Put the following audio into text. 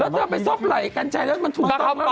แล้วต้องไปซบไหล่กันใจแล้วมันถูกต้องกันหรือเปล่า